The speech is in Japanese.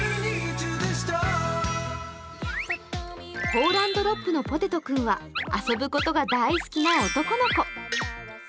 ホーランド・ロップのポテト君は遊ぶことが大好きな男の子。